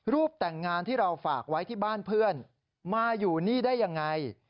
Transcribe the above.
แต่งงานที่เราฝากไว้ที่บ้านเพื่อนมาอยู่นี่ได้ยังไง